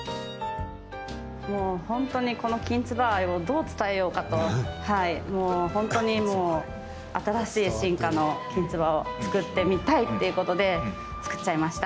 もう本当に、このきんつば愛をどう伝えようかともう本当に新しい進化の、きんつばを作ってみたいっていうことで作っちゃいました。